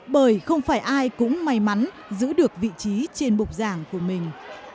bởi không phải ai cũng may mắn giữ được vị trí trên bục giảng của mình